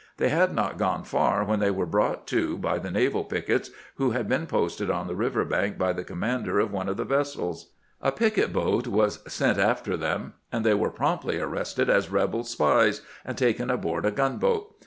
They had not gone far when they were brought to by the naval pickets who had been posted on the river bank by the commander of one of the vessels. A picket boat was sent after them, and they were promptly arrested as rebel spies, and taken aboard a gunboat.